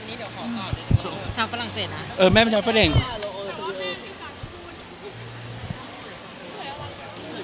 นี่เดี๋ยวขอก้อนชาวฝรั่งเศสอ่ะเออแม่มันชาวฝรั่งเอง